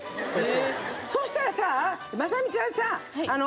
そしたらさまさみちゃんさ。